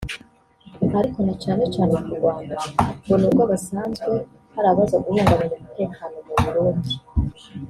ariko na cane cane ku Rwanda ngo n'uko basanze hari abaza guhungabanya umutekano mu Burundi